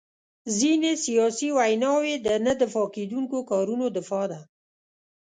ځینې سیاسي ویناوي د نه دفاع کېدونکو کارونو دفاع ده.